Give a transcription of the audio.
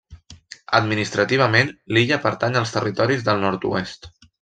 Administrativament, l'illa pertany als Territoris del Nord-oest.